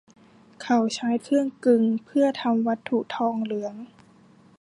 เขาใช้เครื่องกลึงเพื่อทำวัตถุทองเหลือง